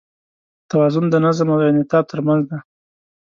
توازن د نظم او انعطاف تر منځ دی.